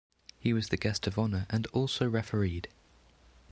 He was the guest of honour, and also refereed.